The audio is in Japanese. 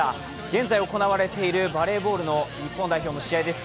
現在行われているバレーボールの日本代表の試合です。